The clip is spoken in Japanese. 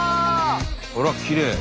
あらきれい！